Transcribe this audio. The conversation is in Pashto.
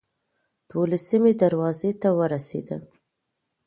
دولسمې دروازې ته ورسېدم.